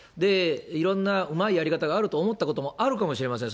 いろんなうまいやり方があると思ったこともあるかもしれません。